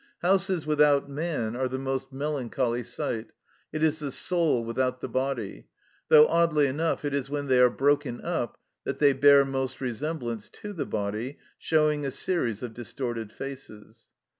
Houses without man are the most melancholy sight, it is the soul with out the body, though, oddly enough, it is when they are broken up that they bear most resemblance to the body, showing a series of distorted faces.